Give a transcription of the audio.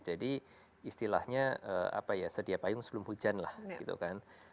jadi istilahnya apa ya sedia payung sebelum hujan lah gitu kan